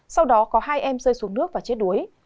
sau đó có hai em rơi xuống nước và chết đuối